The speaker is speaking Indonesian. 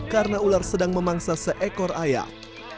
karena ular sedang memangsa seekor ayam